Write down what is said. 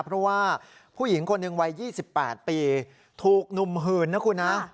เพราะว่าผู้หญิงคนหนึ่งวัย๒๘ปีถูกหนุ่มหื่นนะคุณนะ